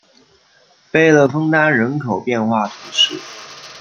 贝勒枫丹人口变化图示